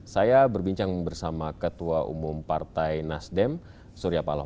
saya berbincang bersama ketua umum partai nasdem surya paloh